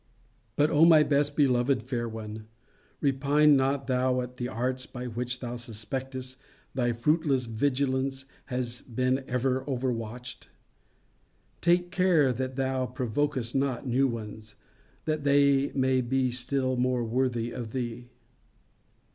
But, O my best beloved fair one, repine not thou at the arts by which thou suspectest thy fruitless vigilence has been over watched. Take care, that thou provokest not new ones, that may be still more worthy of thee.